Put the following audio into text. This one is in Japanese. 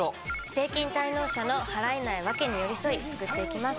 税金滞納者の払えないワケに寄り添い救っていきます。